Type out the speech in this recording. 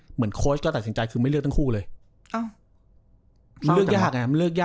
เหมือนโค้ชก็ตัดสินใจคือไม่เลือกตั้งคู่เลย